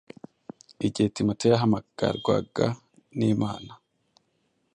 Igihe Timoteyo yahamagarwaga n’Imana